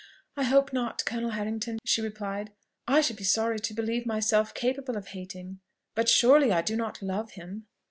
"I hope not, Colonel Harrington," she replied; "I should be sorry to believe myself capable of hating, but surely I do not love him."